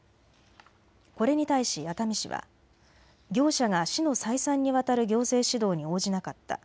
これに対し、熱海市は業者が市の再三にわたる行政指導に応じなかった。